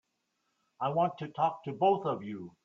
I want to talk to both of you.